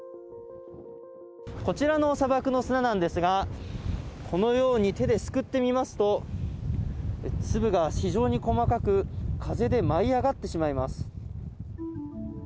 こちらの砂漠の砂なんですが、このように手ですくってみますと粒が非常に細かく、風で舞い上がってしまいます。